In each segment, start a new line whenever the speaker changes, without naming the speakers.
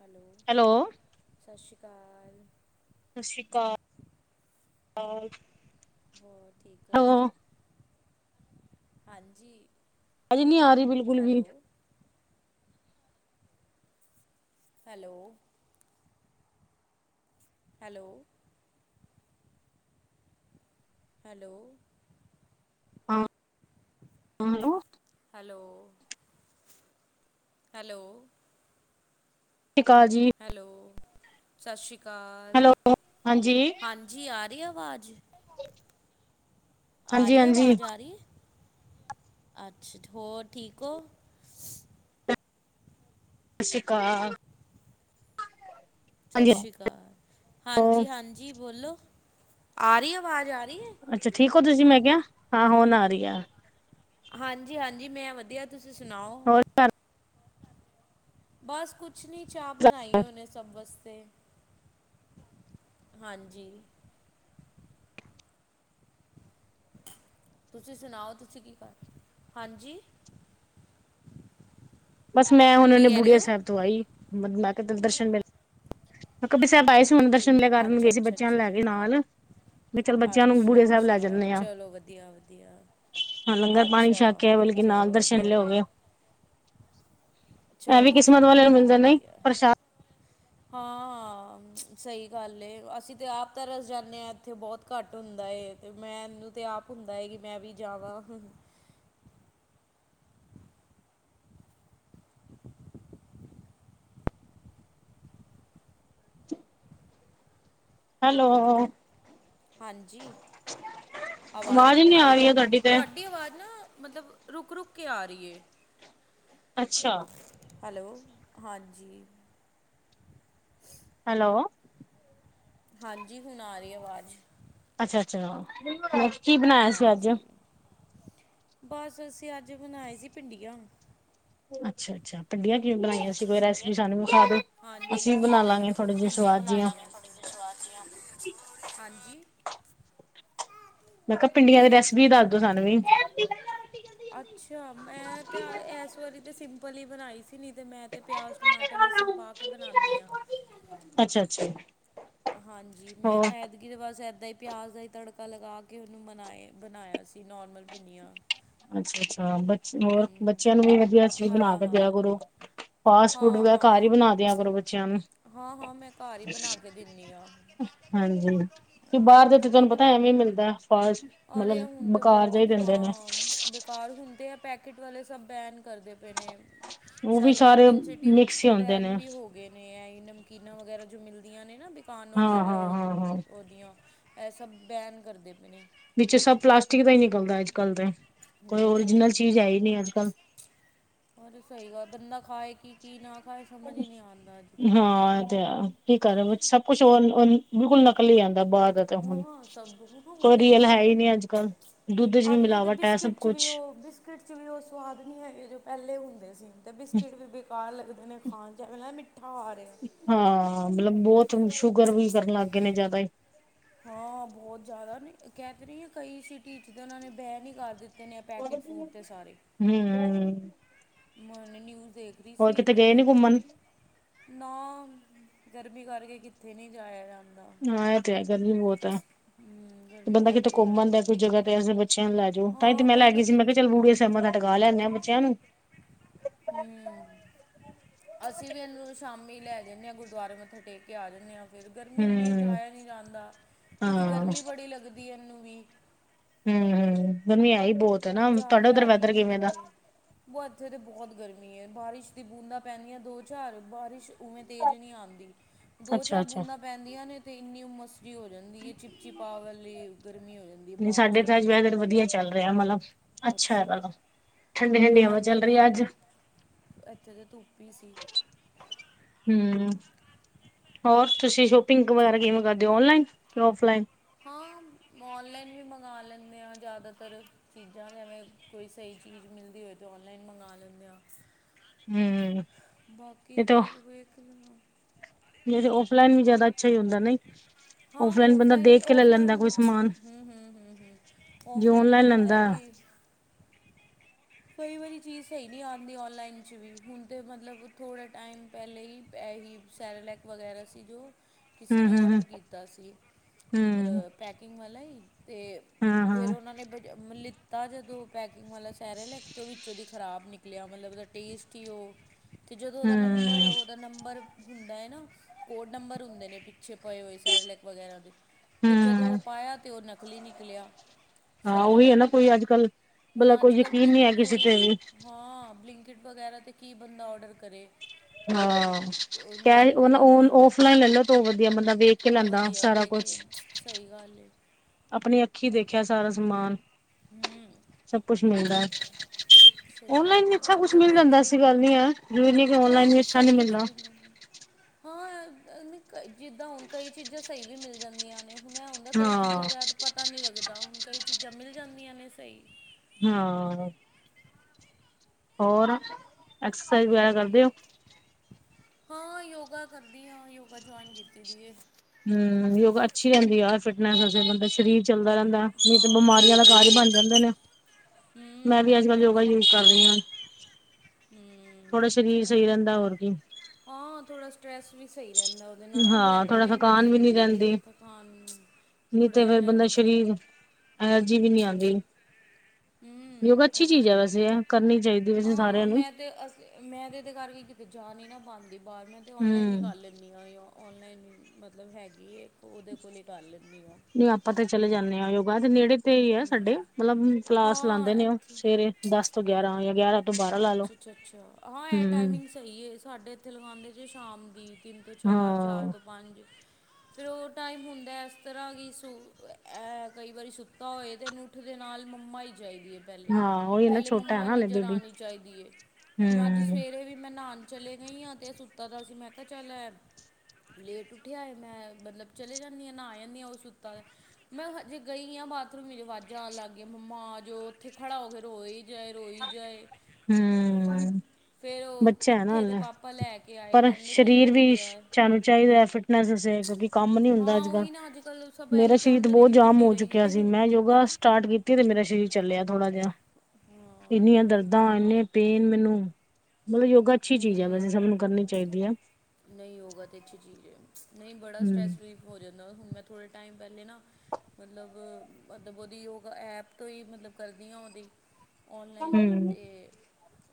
Hello
hello
ਸਤਿ ਸ਼੍ਰੀ ਅਕਾਲ
ਸਤਿ ਸ਼੍ਰੀ ਅਕਾਲ
ਹੋ ਠੀਕ
ਹੈਲੋ,
ਹਾਂਜੀ
ਅਜੇ ਨਹੀਂੀ ਆ ਰਹੀ ਬਿਲਕੁਲ ਵੀ
ਹੈਲੋ ਹੈਲੋ ਹੈਲੋ ਹੈਲੋ
ਹਾਂ ਹੈਲੋ।
ਲੋ ਹੈਲੋ
ਸਤਿ੍ਰੀ ਅਕਾਲੀ
ਹੈਲੋ ਸਤਿ ਸ਼੍ਰੀ ਅਕਾਲ
ਹੈਲੋ, ਹਾਂਜੀ,
ਹਾਂਜੀ ਆ ਰਹੀ ਆਵਾਜ਼ ਆ ਰਹੀ
ਹਾਂਜੀ-ਹਾਂਜੀ।
ਆਵਾਜ਼
ਸਤਿ
ਆ ਰਹੀ ਅੱਛਾ ਹੋਰ ਠੀਕ ਹੋ
ਸਤਿ ਸ਼੍ਰੀ ਅਕਾਲ
ਸਤਿ
ਹਾਂਜੀ,
ਸ਼੍ਰੀ ਅਕਾਲ
ਹੋਰ
ਹਾਂਜੀ ਹਾਂਜੀ ਬੋਲੋ ਆ ਰਹੀ ਆਵਾਜ਼ ਆ ਰਹੀ ਹੈ
ਅੱਛਾ ਠੀਕ ਹੋ ਤੁਸੀਂ ਮੈਂ ਕਿਹਾ ਹਾਂ ਹੁਣ ਆ ਰਹੀ ਆ
ਹਾਂਜੀ ਹਾਂਜੀ ਮੈਂ ਵਧੀਆ ਤੁਸੀਂ ਸੁਣਾਓ
ਹੋਰ
ਬਸ ਕੁਛ ਕੁਛਨੀ ਚਾਹ
ਘਰ
ਬਣਾਈ ਉਹਨੇ ਸਭ ਵਾਸਤੇ ਹਾਂਜੀ ਤੁਸੀਂ ਸੁਣਾਓ ਤੁਸੀਂ ਕੀ ਕਰ ਹਾਂਜੀ
ਬਸ ਮੈਂ ਹੁਣ
ਕੀ
ਉਹਨ
ਕਹਿ ਰਹੇ
ਬੁੜੀ
ਹੋ
ਸਾਹਿਬ ਤੋਂ ਆਈ ਮੈਂ ਕਿਹਾ ਦਰਸ਼ਨ ਮੇ ਮੈਂ ਕਪੀ ਸਾਹਿਬ ਆਏ ਸੀ ਹੁਣ ਦਰਸ਼ਨ ਲੈ ਕਰਨ
ਅੱਛਾ
ਗਏ
ਅੱਛਾ
ਸੀ ਬੱਚਿਆਂ ਨੂੰ
ਅੱਛਾ
ਲੈ ਕੇ ਨਾਲ ਮੈਂ ਚੱਲ ਬੱਚਿਆਂ ਨੂੰ
ਅੱਛਾ-
ਬੁੜੀਆ ਸਾਹਿਬ ਲੈ
ਅੱਛਾ,
ਜਾਂਦੇ ਆ।
ਚਲੋ ਵਧੀਆ- ਵਧੀਆ।
ਹਾਂ ਲੰਗਰ ਪਾਣੀ
ਅੱਛਾ,
ਛੱਕ ਕੇ ਆਏ ਬਲਕਿ ਨਾਲ
ਚਲੋ
ਦਰਸ਼ਨ
ਵਧੀਆ
ਮੇਲੇ ਹੋ
ਏ।
ਗਏ, ਐ ਵੀ
ਚਲੋ-
ਕਿਸਮਤ
ਚਲੋ,
ਵਾਲੇ ਨੂੰ ਮਿਲਦੇ
ਵਧੀਆ-
ਨਹੀਂ,
ਵਧੀਆ।
ਪ੍ਰਸ਼ਾਦ
ਹਾਂ-ਹਾਂ, ਸਹੀ ਗੱਲ ਏ। ਅਸੀਂ ਤਾਂ ਆਪ, ਤਰਸ ਜਾਂਦੇ ਹਾਂ। ਇੱਥੇ ਬਹੁਤ, ਘੱਟ ਹੁੰਦਾ ਹੈ, ਤੇ ਮੈਨੂੰ ਤਾਂ, ਆਪ ਹੁੰਦਾ ਹੈ। ਕਿ, ਮੈਂ ਵੀ ਜਾਵਾਂ। [inaudible]
ਹੈਲੋ।
ਹਾਂਜੀ। ਆਵਾਜ਼ ਹੀ ਨਹੀਂ, ਆ ਰਹੀ ਤੁਹਾਨੂੰ। ਤੁਹਾਡੀ ਆਵਾਜ਼ ਨਾ, ਮਤਲਬ। ਰੁਕ- ਰੁਕ, ਕੇ ਆ ਰਹੀ ਹੈ।
ਅੱਛਾ।
ਹੈਲੋ, ਹਾਂਜੀ।
ਹੈਲੋ।
ਹਾਂਜੀ, ਹੁਣ ਆ ਰਹੀ ਹੈ, ਆਵਾਜ਼।
ਅੱਛਾ- ਅੱਛਾ। ਕੀ ਬਣਾਇਆ ਸੀ ਅੱਜ
ਹਾਂਜੀ, ਬਸ ਅਸੀਂ ਅੱਜ, ਬਨਾਏ ਸੀ ਭਿੰਡੀਆਂ।
ਅੱਛਾ, - ਅੱਛਾ, ਭੱਡੀਆਂ, ਕਿਉਂ ਬਣਾਈਆਂ ਸੀ। ਕੋਈ ਰੈਸਪੀ, ਸਾਨੂੰ ਵੀ ਵਖਾ ਦੇ। ਅਸੀ
ਹਾਂਜੀ
ਵੀ ਬਣਾ, ਲਾਂਗੇ ਥੋੜੇ ਜਿਹੇ ਸਆਦ ਜਿਹੀਆਂ।
ਆਪ ਸਵਾਦ ਜਿਹਾ, ਹਾਂਜੀ।
ਮੈਂ ਕਿਹਾ, ਭਿੰਡੀਆਂ ਦੀ ਰੈਸਪੀ, ਦੱਸ ਦੋ ਸਾਨੂੰ ਵੀ।
ਅੱਛਾ, ਮੈਂ ਤਾਂ ਇਸ, ਵਾਰੀ ਤਾਂ ਸਿੰਪਲ ਹੀ, ਬਣਾਈ ਸੀ। ਨਹੀਂ ਅਤੇ ਮੈਂ ਤਾਂ। ਪਿਆਜ਼, ਟਮਾਟਰ, ਲਸਣ ਪਾ ਕੇ ਬਣਾਉਂਦੀ ਹਾਂ।
ਅੱਛਾ- ਅੱਛਾ।
ਹਾਂਜੀ, ਮੈਂ
ਹੋਰ
ਐਦ। ਕਿਹਦੇ ਬਸਤੇ, ਇਏਦਾਂ ਹੀ ਪਿਆਜ਼ ਦਾ ਹੀ, ਤੜਕਾ ਲਗਾ ਕੇ। ਉਹਨੂੰ ਬਣਾਏ ਬਣਾਇਆ ਸੀ ਨੋਰਮਲ ਭਿੰਨੀਆਂ।
ਅੱਛਾ- ਅੱਛਾ। ਬ ਹੋਰ ਬੱਚਿਆਂ ਨੂੰ ਵੀ, ਵਧੀਆ ਚੀਜ਼ ਬਣਾ
ਹਾਂ
ਕੇ
ਹਾਂ
ਦਿਆ ਕਰੋ। ਫਾਸਟ ਫੂਡ
ਹਾਂ
ਵਗੈਰਾ, ਘਰ ਹੀ
ਹਾਂ
ਬਣਾ ਦਿਆਂ ਕਰੋ, ਬੱਚਿਆਂ ਨੂੰ।
ਹਾਂ-ਹਾਂ ਮੈਂ ਘਰ ਹੀ ਬਣਾ ਕੇ ਦਿੰਨੀ ਆ
ਹਾਂਜੀ। ਕਿ ਬਾਹਰ ਦੇ, ਉ ਤੇ
ਹਾਂਜੀ ਮੈਂ
ਤੁਹਾਨੂੰ ਪਤਾ
ਘਰ
ਐਵੇਂ ਮਿਲਦਾ ਐ। ਫ
ਅਰੇ
ਮਤਲਬ, ਬਕਾਰ ਜਿਹਾ ਹੀ ਦਿੰਦੇ ਨੇ।
ਕਾਰ ਹੁੰਦੇ ਆ। ਪੈਕਟ ਵਾਲੇ ਸਭ ਬੈਨ ਕਰਦੇ ਪਏ ਨੇ।
ਉਹ ਵੀ,
ਸ਼ਾਇਦ
ਸਾਰੇ ਮਿਕਸ ਹੀ ਆਉਂਦੇ ਨੇ।
ਗੇ ਨੇ, ਨਮਕੀਨਾਂ ਵਗੈਰਾ ਜੋ ਮਿਲਦੀਆਂ, ਨੇ ਨਾ ਬੇਕਾਨੋ
ਹਾਂ ਹਾਂ
ਵਗਰਾ।
ਹਾਂ ਹਾਂ
ਉਹਦੀਆਂ, ਇਹ ਸਭ ਬੈਨ ਕਰਦੇ ਪਏ ਵੇ।
ਵਿੱਚ ਸਭ, ਪਲਾਸਟਿਕ ਦਾ ਹੀ ਨਿਕਲਦਾ ਹੈ। ਅੱਜ ਕੱਲ ਤੇ ਕੋਈ ਓਰੀਜਨਲ,
ਹੂੰ
ਚੀਜ਼ ਹੈ ਹੀ, ਨਹੀਂ। ਅੱਜ ਕੱਲ,
ਬਹੁਤ ਸਹੀ ਗੱਲ ਹੈ। ਬੰਦਾ ਖਾਏ ਕੀ, ਕੀ ਨਾ ਖਾਏ। ਸਮਝ ਹੀ ਨਹੀਂ ਆਉਂਦਾ, ਅੱਜ ਕੱਲ ਤੇ।
ਹਾਂ ਤੇ ਹੈ। ਕੀ ਕਰ ਹੇ। ਸਭ ਕੁਛ ਉਹ, ਬਿਲਕੁਲ ਨਕਲੀ ਹੀ। ਆਉਦਾ ਬਾਹਰ ਦਾ ਤ। ੁ
ਹਾਂ ਸਭ ਹੁਣ
ਕੋਈ
ਤੇ
ਰੀਅਲ
ਕੁਛ
ਹੈ ਹੀ
ਹੈਗਾ
ਨਹੀਂ। ਅੱਜ ਕੱਲ ਦੁੱਧ ਚ, ਵੀ
ਅੱਜ ਕੱਲ੍ਹ ਤੇ
ਮਿਲਾਵਟ ਹੈ। ਸਭ
ਬਿਸਕਿਟ 'ਚ ਵੀ
ਕੁਛ,
ਉਹ ਬਿਸਕਿਟ ਚ ਵੀ, ਉਹ ਸਵਾਦ ਨਹੀਂ ਹੈਗੇ। ਜੋ ਪਹਿਲੇ ਹੁੰਦੇ ਸੀ। ਤੇ ਬਿਸਕਿਟ ਵੀ ਬੇਕਾਰ ਲੱਗਦੇ ਨੇ। ਹਾਂ, ਚਲ ਮਿੱਠਾ ਆ ਰਿਹਾ।
ਹਾਂ, ਮਤਲਬ ਬਹੁਤ, ਸ਼ੂਗਰ ਵੀ ਕਰਨ ਲੱਗ ਗਏ ਨੇ ਜ਼ਿਆਦਾ ਹੀ।
ਹਾਂ, ਬਹੁਤ ਜ਼ਿਆਦਾ। ਕਹਿ ਤੇ ਰਹੀ ਹਾਂ, ਕਈ ਸਿਟੀ ਚ ਉਹਨਾਂ ਨੇ, ਬਹਿਨ ਹੀ ਕਰ ਦਿੱਤੇ। ਨੇ ਪੈਕੇਟ ਫੂਡ ਤੇ
ਹੂੰ।
ਮਨ ਨਿਊਜ਼ ਇੱਕ।
ਹੋਰ, ਕਿਤੇ ਗਏ ਨੀ ਘੁੰਮਣ?
ਨਾ, ਗਰਮੀ ਕਰਕੇ ਕਿੱਥੇ, ਨਹੀਂ ਜਾਇਆ ਗਾਆ।
ਹਾ ਆ ਤੇ ਹੈ। ਗਰਮੀ ਬਹੁਤ ਹੈ।
ਹੂੰ ਗਰਮੀ
ਬੰਦਾ ਕਿਤੇ
ਕਰਕੇ
ਘੁੰਮਣ
ਜਾਇਆ
ਆਉਂਦਾ ਹੈ। ਕੋਈ ਜਗਹਾ
ਜਾਂਦਾ
ਤੇ। ਅਸੀਂ ਬੱਚਿਆਂ ਨੂੰ ਲੈ ਜਾਓ। ਤਾਂ ਹੀ ਤੇ,
ਹਾਂ
ਮੈਂ ਲੈ
ਬੰਦਾ
ਗਈ ਸੀ। ਮੈਂ ਕਿਹਾ
ਕਿੱਥੇ
ਚੱਲ ਬੁੜੇ ਮਾਤਾ ਟਿਕਾ ਲੈਂ ਆਉਂਦੇ ਆ, ਬੱਚਿਆਂ ਨੂੰ।
ਹੂੰ। ਅਸੀਂ ਵੀ ਇਹਨੂੰ, ਸ਼ਾਮੀ ਲੈ ਜਾਂਦੇ ਹਾਂ। ਗੁਰਦੁਆਰੇ ਮੱਥਾ ਟੇਕ ਕੇ, ਆ ਜਾਂਦੇ ਹਾਂ। ਫਿਰ ਗਰਮੀ ਇੰਨੀ
ਹੂੰ
ਜਾਇਆ ਨਹੀਂ ਜਾਂਦਾ, ਕੁਝ
ਹਾਂ
ਗਰਮੀ ਬੜੀ ਲੱਗਦੀ ਇਹਨੂੰ ਵੀ।
ਹੂੰ, ਗਰਮੀ ਐ ਹੀ ਬਹੁਤ ਹੈ
ਤੇ
ਨਾ,
ਜਾ
ਤੁਹਾਡਾ
ਕੇ
ਉੱਧਰ
ਰਾਜੀ
ਵੈਦਰ
ਨਹੀਂ
ਕਿਵੇਂ ਦਾ।
ਕਿੱਥੇ ਇੱਥੇ ਤਾਂ ਬਹੁਤ ਗਰਮੀ ਐ, ਬਾਰਿਸ਼ ਦੀ ਬੂੰਦਾਂ ਪੈਂਨੀਆਂ ਦੋ ਚਾਰ, ਬਾਰਿਸ਼ ਉਵੇਂ ਤੇਜ਼ ਨੀ ਆਂਦੀ, ਦੋ-
ਅੱਛਾ
ਚਾਰ
ਅੱਛਾ,
ਬੂੰਦਾਂ ਪੈਂਦੀਆਂ ਨੇ, ਤੇ ਇੰਨੀ ਹੁੰਮਸ ਜੀ ਹੋ ਜਾਂਦੀ ਐ, ਚਿਪਚਿਪਾ ਵਾਲੀ ਗਰਮੀ ਹੋ ਜਾਂਦੀ ਐ,
ਨਹੀਂ
ਬਾਅਦ
ਸਾਡੇ
ਚੋਂ
ਤਾਂ
ਤੇ।
ਅੱਜ ਵੈਦਰ ਵਧੀਆ ਚੱਲ ਰਿਹਾ ਮਤਲਬ। ਅੱਛਾ ਹੈ
ਅੱਛਿਆ,
ਮਤਲਬ ਠੰਡੀ-ਠੰਡੀ
ਨਾ
ਹਵਾ
ਇੱਥੇ
ਚੱਲ ਰਹੀ
ਤੇ
ਹੈ ਅੱਜ
ਧੁੱਪ ਇੱਥੇ ਤੇ ਧੁੱਪ ਈ ਸੀ।
ਹੂੰ, ਹੋਰ ਤੁਸੀਂ ਸ਼ੋਪਿੰਗ ਵਗੈਰਾ ਕਿਵੇਂ ਕਰਦੇ ਹੋ, ਔਨਲਾਈਨ ਕ ਔਫਲਾਈਨ।
ਹਾਂ, ਔਨਲਾਈਨ ਵੀ ਮੰਗਾ ਲੈਂਨੇ ਆਂ ਜ਼ਿਆਦਾਤਰ। ਚੀਜ਼ਾਂ ਜਿਵੇਂ ਕੋਈ ਸਹੀ ਚੀਜ਼ ਮਿਲਦੀ ਹੋਵੇ, ਤਾਂ ਔਨਲਾਈਨ ਮੰਗਾ ਲੈਂਨੇ ਹਾਂ।
ਹੂੰ
ਬਾਕੀ ਦੇਖ ਵੇਖ ਲਵਾਂ
ਨਈ ਤੇ ਔਫਲਾਈਨ ਵੀ ਜ਼ਿਆਦਾ ਅੱਛਾ ਹੀ ਹੁੰਦਾ ਨਹੀਂ।
ਹਾਂ
ਔਫਲਾਈਨ ਬੰਦਾ
ਵੀ
ਦੇਖ ਕੇ ਲੈ
ਔਫਲਾਈਨ
ਲੈਂਦਾ, ਕੋਈ ਸਮਾਨ।
ਹੂੰ ਹੂੰ ਹੂੰ ਹੂੰ
ਜੇ
ਔਫਲਾਈਨ ਇਹ
ਔਨਲਾਈਨ
ਹੁੰਦਾ
ਲੈਂਦਾ
ਕਿ ਕਈ ਵਾਰੀ ਚੀਜ਼ ਸਹੀ ਨਹੀਂ ਆਉਂਦੀ ਔਨਲਾਈਨ ਚ ਵੀ, ਹੁਣ ਤੇ ਮਤਲਬ ਥੋੜ੍ਹਾ ਟਾਈਮ ਪਹਿਲੇ ਹੀ, ਇਹੀ ਸੈਰੇਲੈਕ ਵਗੈਰਾ ਸੀ ਜੋ ਕਿਸੀ ਨੇ
ਹੂੰ-ਹੂੰ-ਹੂੰ,
ਔਡਰ ਕੀਤਾ ਸੀ,
ਹੂੰ
ਪੈਕ ਪੈਕਿੰਗ ਵਾਲਾ, ਤੇ
ਹਾਂ-ਹਾਂ,
ਫਿਰ ਉਹਨਾਂ ਨੇ ਲਿੱਤਾ ਜਦੋਂ ਪੈਕਿੰਗ ਵਾਲਾ ਸੈਰੇਲੈਕ ਤੇ ਉਹ ਵਿੱਚੋਂ ਦੀ ਖ਼ਰਾਬ ਨਿਕਲਿਆ, ਮਤਲਬ ਉਹਦਾ ਟੇਸਟ ਹੀ ਉਹ, ਤੇ ਜਦੋਂ ਉਹਦਾ
ਹੂੰ-ਹੂੰ ਹਾਂ ਹਾਂ
ਨੰਬਰ
ਹੂੰ
ਦਾ ਨੰਬਰ ਹੁੰਦਾ ਐ ਨਾ, ਕੋਡ ਨੰਬਰ ਹੁੰਦੇ ਨੇ। ਪਿੱਛੇ ਪਏ ਹੋਏ ਸੈਰਲੈਕ ਵਗੈਰਾ ਦੇ, ਤੇ ਜਦੋਂ ਉਹ
ਹੂੰ
ਪਾਇਆ ਤਾਂ ਉਹ ਨਕਲੀ ਨਿਕਲਿਆ।
ਹਾਂ, ਉਹੀ ਹੈ
ਸੈਰਲੈਕ
ਨਾ ਕੋਈ ਅੱਜ- ਕੱਲ੍ਹ, ਮਤਲਬ
ਹੁਣ
ਕੋਈ
ਅੱਜ ਕੱਲ੍ਹ
ਯਕੀਨ ਨਹੀਂ ਹੈ
ਬਲਿੰਕਿਟ
ਕਿਸੇ
ਵਗੈਰਾ
ਤੇ ਵੀ।
ਹਾਂ, ਬਲਿੰਕਿਟ ਵਗੈਰਾ ਤੇ ਕੀ ਬੰਦਾ ਔਡਰ ਕਰੇ।
ਹੂੰ,
ਉਹ
ਕਿਹਾ
ਲੈਂਦੇ
ਉਹ
ਹੀ ਨਹੀਂ
ਔਨ
ਆ
ਔਫਲਾਈਨ ਲੈਲੋ, ਤੇ ਉਹ ਵਧੀਆ ਮਤਲਬ ਏ। ਦੇਖ ਕੇ
ਉਹ
ਲੈਂਦਾ
ਵਧੀਆ
ਸਾਰਾ
ਵੇਖ ਕੇ
ਕੁਛ।
ਸਹੀ ਗੱਲ ਏ।
ਆਪਣੀ ਅੱਖੀਂ ਦੇਖਿਆ ਸਾਰਾ ਸਮਾਨ,
ਹੂੰ
ਸਭ ਕੁਛ ਮਿਲਦਾ।
ਸਹੀ
ਔਨਲਾਈਨ
ਗੱਲ
ਵੀ
ਏ
ਅੱਛਾ
ਅੱਜ
ਕੁਛ
ਕੱਲ੍ਹ
ਮਿਲ
ਉਹੀ ਤੇ
ਜਾਂਦਾ
ਕਿ
ਐਸੀ ਗੱਲ ਨੀ ਏ, ਜ਼ਰੂਰੀ ਨੀ ਕਿ ਔਨਲਾਈਨ ਵੀ ਅੱਛਾ ਨੀ ਮਿਲਣਾ।
ਹੋਰ, ਜਿੱਦਾਂ ਹੁਣ ਕਈ ਚੀਜ਼ਾਂ ਸਹੀ ਵੀ ਮਿਲ ਜਾਂਦੀਆਂ ਨੇ। ਹੁਣ ਹੁੰਦਾ ਕਈ
ਹਾਂ
ਚੀਜ਼ਾਂ ਦਾ ਤਾਂ ਪਤਾ ਨਈ ਲੱਗਦਾ, ਹੁਣ ਕਈ ਚੀਜ਼ਾਂ ਮਿਲ ਜਾਂਦੀਆਂ ਨੇ ਸਹੀ।
ਹਾਂ, ਹੋਰ, ਐਕਸਰਸਾਈਜ਼ ਵਗੈਰਾ ਕਰਦੇ ਹੋ।
ਹਾਂ ਯੋਗਾ ਕਰਦੀ ਆਂ, ਯੋਗਾ ਜੁਆਇਨ ਕੀਤੀ ਦੀ ਏ।
ਹੂੰ ਯੋਗਾ ਅੱਛੀ ਰਹਿੰਦੀ ਐ, ਯਾਰ ਫਿਟਨੈਸ ਬਣਦਾ ਸਰੀਰ ਚੱਲਦਾ ਰਹਿੰਦਾ, ਨਹੀਂ ਤਾਂ
ਹਾਂ
ਬਿਮਾਰੀਆਂ
ਸਹੀ
ਦਾ ਘਰ
ਗੱਲ
ਹੀ ਬਣ ਜਾਂਦੇ ਨੇ।
ਏ
ਮੈਂ ਵੀ ਅੱਜ-
ਹੂੰ
ਕੱਲ੍ਹ ਯੋਗਾ
ਵਧੀਆ
ਯੂਜ ਕਰ ਰਹੀ ਆਂ।
ਹੂੰ ਮੈਂ
ਸਹੀ
ਵੀ,
ਰਹਿੰਦਾ ਹੋਰ ਕੀ
ਹਾਂ ਥੋੜਾ ਸਟਰ੍ਰੈਸ ਵੀ ਸਹੀ ਰਹਿੰਦਾ। ਉਹਦੇ ਨਾਲ ਨਾ
ਹਾਂ ਥੋੜਾ
ਬੈਕਪੇਨ ਬੜੀ
ਥਕਾਨ ਵੀ ਨੀ
ਹੁੰਦੀ ਏ,
ਰਹਿੰਦੀ
ਤਹਾਨੂੰ।
ਨਹੀਂ
ਥੋੜਾ
ਤੇ
ਜਾ
ਫੇਰ ਬੰਦਾ
ਐਨਰਜੀ ਫੀਲਿੰਗ
ਸਰੀਰ ਐਨਰਜੀ ਵੀ ਨੀ ਆਂਦੀ।
ਹੂੰ
ਯੋਗਾ ਅੱਛੀ
ਇਸ
ਚੀਜ਼ ਐ,
ਤਰ੍ਹਾਂ ਹੀ
ਵੈਸੇ ਕਰਨੀ ਚਾਹੀਦੀ ਵੈਸੇ
ਹਾਂ
ਸਾਰਿਆਂ ਨੂੰ।
ਮੈਂ ਅਸ ਤੇ ਮੈਂ ਤੇ- ਤੇ ਘਰ ਕੀ ਕਿਤੇ ਜਾ ਨੀ ਨਾ ਪਾਂਦੀ, ਬਾਹਰ ਮੈਂ ਤੇ ਔਨਲਾਈਨ ਹੀ
ਹਮ
ਕਰ ਲਈ। ਜਾਂ ਔਨਲਾਈਨ ਮਤਲਬ ਹੈਗੀ ਏ ਇੱਕ, ਉਹਦੇ ਕੋਲ ਹੀ ਕਰ ਲੈਂਨੀ ਆਂ।
ਨਹੀਂ ਆਪਾਂ ਤੇ ਚਲੇ ਜਾਂਦੇ ਹਾਂ ਯੋਗਾ, ਤੇ ਨੇੜੇ ਤੇ ਹੀ ਹੈ ਸਾਡੇ,
ਹੂੰ
ਮਤਲਬ ਕਲਾਸ ਲਾਂਦੇ
ਹਾਂ
ਨੇ ਉਹ
ਇੱਥੇ
ਸਵੇਰੇ। ਦਸ ਤੋਂ ਗਿਆਰਾਂ ਜਾਂ ਗਿਆਰਾਂ ਤੋਂ ਬਾਰਾਂ ਲਾ ਲੋ
ਅੱਛਾ- ਅੱਛਾ- ਅੱਛਾ, ਹਾਂ ਇਹ
ਹਮ
ਟਾਈਮਿੰਗ ਸਹੀ ਏ, ਸਾਡੇ ਇੱਥੇ ਲਗਾਂਦੇ ਜੇ ਸ਼ਾਮ ਦੀ। ਤਿੰਨ ਤੋਂ ਚਾਰ, ਚਾਰ
ਹਾਂ
ਤੋਂ ਪੰਜ ਫਿਰ ਉਹ ਟਾਈਮ ਹੁੰਦਾ, ਇਸ ਤਰ੍ਹਾਂ ਕਿ ਸੁ ਕਈ ਵਾਰੀ ਸੁੱਤਾ ਹੋਏ ਤੇ ਇਹਨੂੰ ਉਹਦੇ ਨਾਲ ਮੰਮਾ ਹੀ ਚਾਹੀਦੀ ਐ ਪਹਿਲੇ,
ਹਾਂ ਉਹੀ ਨਾ
ਪਹਿਲੇ
ਛੋਟਾ ਹੈ
ਮੰਮਾ
ਨਾ ਹਲੇ
ਨਜ਼ਰ
ਬੇਬੀ
ਆਣੀ ਚਾਹੀਦੀ ਹੈ। ਚਾਹੀਦੀ ਹੈ, ਹੁਣ ਅੱਜ
ਹਮ
ਸਵੇਰੇ ਵੀ ਮੈਂ ਨਾਨ ਚਲੀ ਗਈ ਹਾਂ, ਤੇ ਸੁੱਤਾ ਦਾ ਸੀ ਮੈਂ ਕਿਹਾ ਚੱਲ ਲੇਟ ਉਠਿਆ ਆ, ਮੈ ਮਤਲਬ ਚਲੇ ਜਾਂਨੀ ਹਾਂ, ਨਾਹ ਆਨੀ ਆਂ, ਉਹ ਸੁੱਤਾ ਦਾ ਮੈ ਹਜੇ ਗਈ ਆ ਬਾਥਰੂਮ, ਵਾਜਾਂ ਆਣ ਲੱਗ ਗਇਆਂ, ਮੰਮਾ ਆ ਜੋ, ਉਥੇ ਖੜਾ ਹੋ ਕੇ ਰੋਏ ਜੈ ਰੋਹੀ ਜਾਏ-
ਹੂੰ -
ਫੇਰ ਉਹ
ਬੱਚਾ ਹੈ ਨਾ
ਉੱਠੇ ਤੇ
ਹਾਲੇ,
ਪਾਪਾ ਲੈ ਕੇ ਆਏ
ਪਰ
ਕਹਿੰਦੇ ਕੀ
ਸਰੀਰ
ਹੋ
ਵੀ
ਗਿਆ ਹੈ।
ਸਾਨੂੰ ਚਾਹੀਦਾ ਫਿੱਟ ਦੱਸੇ, ਕਿਉਕਿ ਕੰਮ ਨੀ ਹੁੰਦਾ
ਹਾਂ
ਅਜ ਕਲ,
ਉਹੀ ਨਾ ਅੱਜ ਕੱਲ੍ਹ ਸਭ
ਮੇਰਾ
ਇਹੀ
ਸਰੀਰ ਤੇ
ਚਾਹੁੰਦੇ ਨੇ
ਬਹੁਤ
ਕਿ ਫਿਟ
ਜਾਮ
ਹੀ
ਹੋ ਚੁੱਕਿਆ
ਰਹੀਏ।
ਸੀ, ਮੈਂ ਯੋਗਾ ਸਟਾਰਟ ਕੀਤੀ ਤੇ ਮੇਰਾ ਸਰੀਰ ਚਲਿਆ ਥੋੜਾ ਜਿਹਾ,
ਹਾਂ ਉਹ ਤੇ
ਇਨੀਆਂ
ਹੈ।
ਦਰਦ ਹਾਲੇ ਪੇਨ ਮੈਨੂੰ, ਮਤਲਬ ਯੋਗਾ ਅਛੀ ਚੀਜ ਹੈ, ਵੈਸੇ ਸਭਨੂੰ ਕਰਨੀ ਚਾਹੀਦੀ ਆ।
ਨਹੀ ਯੋਗਾ ਤੇ ਅਛੀ ਚੀਜ ਹੈ, ਨਹੀ ਬੜਾ
ਹਮ
ਸਟਰੈਸ ਰਿਲੀਫ ਹੋ ਜਾਦਾ, ਹੁਣ ਮੈਂ ਥੋੜੇ ਟਾਈਮ ਪਹਿਲੇ ਨਾ ਮਤਲਬ ਬਹੁਦੀ ਯੋਗਾ, ਐਪ ਤੋਂ ਹੀ ਮਤਲਬ ਕਰਦੀ ਆ ਉਹਦੀ ਔਨਲਾਈਨ
ਹਮ
'ਤੇ-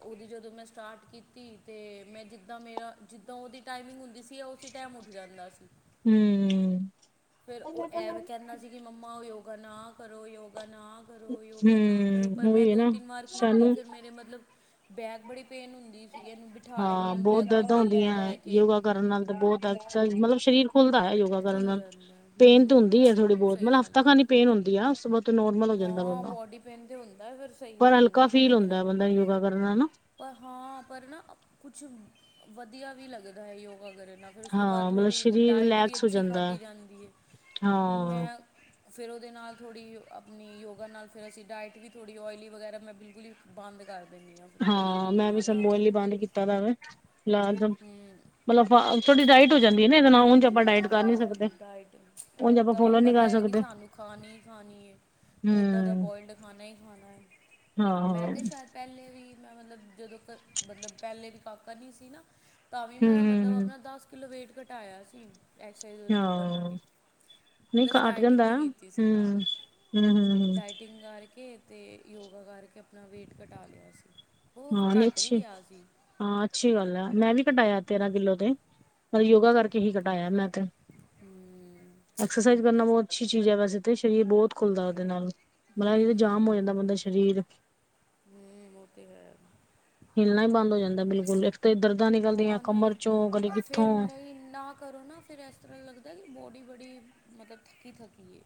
ਉਹਦੀ ਜਦੋਂ ਮੈਂ ਸਟਾਰਟ ਕੀਤੀ, ਤੇ ਮੈ ਜਿਦਾ ਮੇਰਾ ਜ ਤਾਂ ਉਹਦੀ ਟਾਈਮਿੰਗ ਹੁਦੀ ਸੀ, ਔ ਉਸੀ ਟਾਈਮ ਉਠ ਜਾਦਾ ਸੀ।
ਹੂੰ -
ਫਿਰ ਉਹ ਐ ਵੀ ਕਹਿਦਾ ਸੀ, ਕਿ ਮੰਮਾ ਉਹ ਯੋਗਾ ਨਾ ਕਰੋ ਯੋਗਾ ਨਾ ਕਰੋ ਯੋਗਾ ਨਾ ਕਰੋ, ਪਰ
ਹਮ
ਮੈਂ
ਉਹੀ ਹੈ
ਦੋ
ਨਾ
ਤਿੰਨ ਵਾਰ ਕੀਤੀ,
ਸਾਨੂੰ
ਫਿਰ ਮੇਰੇ ਮਤਲਬ ਬੈਕ ਬੜੀ ਪੇਨ ਹੁਦੀ
ਹਾਂ ਬਹੁਤ ਦਰਦਾਂ
ਲੈ
ਹੁੰਦੀਆਂ,
ਲੈ ਕੇ
ਯੋਗਾ ਕਰਨ ਨਾਲ ਤਾਂ ਬਹੁਤ ਮਤਲਬ ਸਰੀਰ ਖੁੱਲਦਾ ਹੈ, ਯੋਗ ਕਰਨ
ਖੁੱਲ
ਨਾਲ,
ਜਾਂਦਾ
ਪੇਨ ਤਾਂ
ਹੂੰ
ਹੁਦੀ ਹੈ, ਥੋੜੀ
ਹੂੰ,
ਬਹੁਤ
ਸਹੀ
ਮਤਲਬ
ਗੱਲ
ਹਫ਼ਤਾ
ਹੈ
ਖਾਡ ਹੀ ਪੇਨ ਹੁਦੀ ਐ, ਉਸ ਤੋਂ ਬਾਹੁਤ ਨੋਰਮਲ ਹੋ ਜਾਂਦਾ
ਹਾਂ
ਬੰਦਾ,
ਬੋਡੀ ਪੇਨ ਤੇ ਹੁੰਦਾ ਹੈ, ਫਿਰ ਸਹੀ
ਪਰ
ਹੋ ਜਾਂਦਾ
ਹਲਕਾ ਫੀਲ
ਥੋੜੇ ਦਿਨਾਂ
ਹੁੰਦਾ ਬੰਦਾ
ਬਾਅਦ
ਯੋਗਾ ਕਰ ਹਨਾ
ਪਰ ਹਾਂ ਪਰ ਨਾ, ਕੁਛ ਵਧੀਆ ਵੀ ਲੱਗਦਾ ਹੈ। ਯੋਗਾ ਕਰਨਾ ਫਿਰ ਉਸ ਤੋਂ ਬਾਅਦ
ਹਾਂ ਮਤਲਬ
ਥੋੜ੍ਹੀ
ਸਰੀਰ
ਡਾਇਟ ਵੀ
ਰਿਲੈਕਸ ਹੋ
ਅਛੀ
ਜਾਂਦਾ
ਖਾਧੀ
ਹੈ
ਜਾਦੀ ਹੈ,
ਹਾਂ
ਮੈ ਫਿਰ ਉਹਦੇ ਨਾਲ ਥੋੜ੍ਹੀ ਆਪਣੀ ਯੋਗਾ ਨਾਲ, ਫਿਰ ਅਸੀ ਡਾਇਟ ਵੀ ਥੋੜ੍ਹੀ ਓਇਲੀ ਵਗੈਰਾ ਮੈ ਬਿਲਕੁਲ ਹੀ ਬੰਦ ਕਰ ਦਿੰਦੀ ਹਾਂ, ਫਿਰ ਉਹਦੇ ਨਾਲ ਨਾ
ਮੈਂ ਵੀ ਸਭ
ਖਾਣਾ
ਬੋਲੀ
ਉਹਈ ਹੂ
ਬੰਦ ਕੀਤਾ ਦਾ ਵੇ। ਲਾਲ ਮਤਲਬ ਆਪਾਂ, ਥੋਡੀ ਡਾਇਟ ਹੋ ਜਾਦੀ ਨਲ, ਉਂਜ ਆਪਾਂ ਡਾਇਟ ਕਰ ਨੀ
ਹਾਂ
ਸਕਦੇ
ਡਾਇਟ,
ਉਂਝ ਆਪਾਂ
ਓਦਾਂ ਹੁਣ
ਫੋਲੋ ਨੀ
ਪਤਾ
ਕਰ
ਹੈ, ਕਿ
ਸਕਦੇ
ਸਾਨੂੰ ਖਾਣੀ ਖਾਣੀ ਹੈ। ਉਦਾ ਦਾ
ਹਮ
ਬੋਇਲਡ ਖਾਣਾ ਹੀ ਖਾਣਾ ਹੈ,
ਹਾਂ
ਮੈਂ
ਹਮ
ਤੇ ਸ਼ਾਇਦ ਪਹਿਲੇ ਵੀ ਮੈ ਮਤਲਬ ਜਦੋ ਮਤਲਬ ਪਹਿਲੇ ਵੀ ਕਾਕਾ ਨੀ ਸੀ ਨਾ, ਤਾਂ ਵੀ ਮੈ ਮਤਲਬ
ਹਮ ਹਮ
ਆਪਣਾ ਦਸ ਕਿਲੋ ਵੇਟ ਘਟਾਇਆ ਸੀ, ਐਕਸਰ ਸਾਈਜ਼ ਹੋਰ ਯੋਗਾ ਨਾਲ ਹੀ
ਹਾਂ ਨਹੀਂ
ਪਲੱਸ
ਘੱਟ
ਡਾਇਟਿੰਗ
ਜਾਂਦਾ
ਵੀ
ਹਮ
ਕੀਤੀ ਸੀ ਨਾਲ,
ਹਮ ਹਮ ਹਮ
ਡਾਇ ਫਟਿੰਗ ਕਰਕੇ ਤੇ ਯੋਗਾ ਕਰਕੇ, ਆਪਣਾ ਵੇਟ ਘਟਾ ਲਿਆ ਸੀ। ਉਹ ਫਿਰ
ਹਾਂ ਨਹੀ
ਘਟ ਵੀ
ਅਛੀ,
ਗਿਆ ਸੀ
ਹਾਂ ਅਛੀ ਗਲ ਆ, ਮੈ ਵੀ ਕਟਾਇਆ ਤੇਰਾਂ ਕਿਲੋ ਤੇ ਮਤਲਬ ਯੋਗਾ ਕਰਕੇ ਹੀ ਕਟਾਇਆ ਮੈ ਤੇ
ਹੂੰ
ਐਕਸਾਈਜ਼ ਕਰਨਾ ਬਹੁਤ ਅਛੀ ਚੀਜ਼ ਹੈ, ਵੈਸੇ ਤੇ, ਸ਼ਰੀਰ ਬਹੁਤ ਖੁੱਲਦਾ ਉਹਦੇ ਨਾਲ,
ਹੂੰ
ਮਤਲਬ
ਹੂੰ
ਜਾਮ ਹੋ
ਹੂੰ
ਜਾਦਾ, ਬੰਦਾ ਸਰੀਰ
ਹੂੰ, ਉਹ ਤੇ ਹੈ।
ਹਿੱਲਣਾ ਹੀ ਬੰਦ ਹੋ ਜਾਦਾ ਬਿਲਕੁਲ, ਇਕ ਤੇ ਇਧਰ
ਆ ਨਹੀ, ਫੇਰ ਨਹੀ ਨਾ ਕਰੋ ਨਾ, ਫਿਰ ਇਸ ਤਰ੍ਹਾਂ ਲੱਗਦਾ, ਕਿ ਬੋਡੀ ਬੜੀ ਮਤਲਬ ਥਕੀ- ਥਕੀ ਹੈ।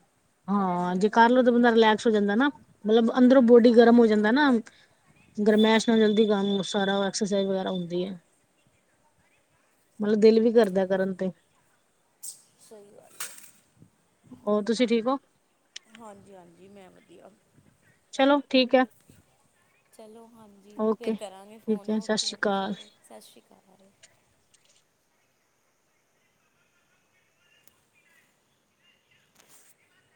ਹਾਂ ਜੇ
ਥਕਾਨ
ਕਰ
ਬੜੀ
ਲਓ ਤਾਂ
ਹੋਈ
ਬੰਦਾ
ਦੀ ਹੈ
ਰਿਲੈਕਸ ਹੋ ਜਾਦਾ ਨਾ, ਮਤਲਬ ਅੰਦਰੋ
ਹਾਂ
ਬੋਡੀ
ਕਰ ਲਓ
ਗਰਮ ਹੋ
ਤੇ ਫਿਰ
ਜਾਦਾ ਨਾ
ਥੋੜ੍ਹਾ
ਗਰਮੈਸ਼ ਨਾਲ ਜਲਦੀ ਕਾਮ ਸਾਰਾ, ਐਕਸਰਸਾਈਜ਼ ਵਗੈਰਾ
ਹਮ
ਹੁੰਦੀ ਹੈ। ਮਤਲਬ ਦਿਲ ਵੀ ਕਰਦਾ ਕਰਨ ਤੇ
ਸਹੀ ਗੱਲ ਹੈ।
ਹੋਰ ਤੁਸੀ ਠੀਕ ਹੋ।
ਹਾਂਜੀ- ਹਾਂਜੀ ਮੈ ਵਧੀਆ
ਚਲੋ ਠੀਕ ਹੈ
ਚਲੋ ਹਾਂਜੀ,
ਓਕੇ
ਫੇਰ ਕਰਾਂਗੇ
ਠੀਕ
ਫੋਨ
ਹੈ ਸਤਿ
ਔਕੇ
ਸ਼੍ਰੀ ਅਕਾਲ
ਸਤਿ ਸ਼੍ਰੀ ਅਕਾਲ। [unintelligible]